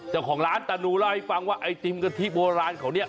เจ้าของร้านตานูเล่าให้ฟังว่าไอติมกะทิโบราณเขาเนี่ย